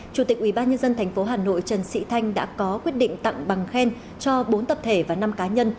chủ tịch ubnd tp hà nội trần sĩ thanh đã có quyết định tặng bằng khen cho bốn tập thể và năm cá nhân